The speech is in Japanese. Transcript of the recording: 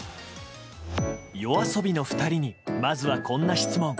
ＹＯＡＳＯＢＩの２人にまずは、こんな質問。